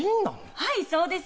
はいそうです。